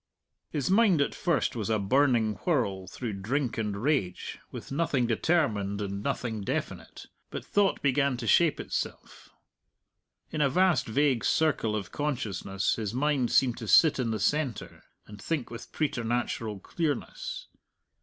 His mind at first was a burning whirl through drink and rage, with nothing determined and nothing definite. But thought began to shape itself. In a vast vague circle of consciousness his mind seemed to sit in the centre and think with preternatural clearness.